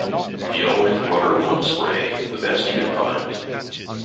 He always brought her one spray, the best he could find.